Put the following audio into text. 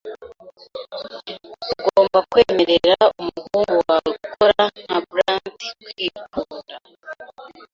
Ntugomba kwemerera umuhungu wawe gukora nka brat kwikunda.